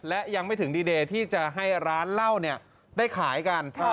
และยังไม่ถึงดีเดย์ที่จะให้ร้านเหล้าได้ขายกัน